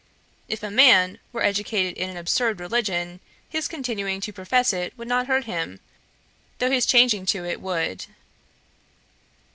If a man were educated in an absurd religion, his continuing to profess it would not hurt him, though his changing to it would.'